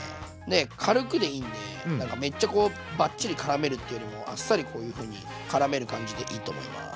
で軽くでいいんでなんかめっちゃこうバッチリからめるっていうよりもあっさりこういうふうにからめる感じでいいと思います。